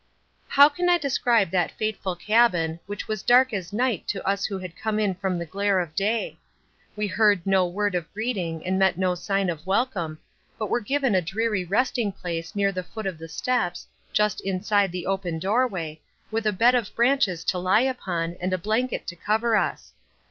How can I describe that fateful cabin, which was dark as night to us who had come in from the glare of day? We heard no word of greeting and met no sign of welcome, but were given a dreary resting place near the foot of the steps, just inside the open doorway, with a bed of branches to lie upon, and a blanket to cover us.